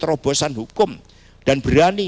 tetapi yang dibelanjakan melalui bahan sosial